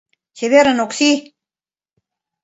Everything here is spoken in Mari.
Чеверын, Окси!